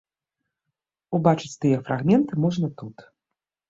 Убачыць тыя фрагменты можна тут.